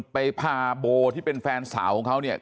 ไปพาโบที่เป็นแฟนสาวของเขาเนี่ย